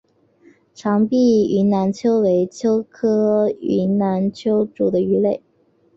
长臀云南鳅为鳅科云南鳅属的鱼类。